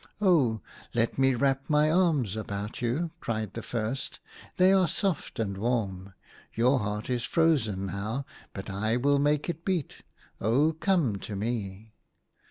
" Oh, let me wrap my arms about you !" cried the first ;" they are soft and warm. Your heart is frozen now, but I will make it beat. Oh, come to me